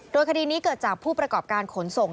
โดยคดีนี้เกิดจากผู้ประกอบการขนส่ง